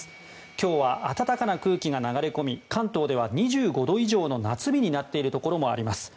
今日は暖かな空気が流れ込み関東では２５度以上の夏日になっているところもあります。